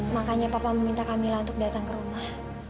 makanya papa memintakan mila untuk datang ke rumah